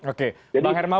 oke bang hermawi